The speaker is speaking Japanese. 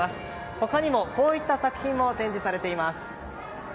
他にもこういった作品も展示されています。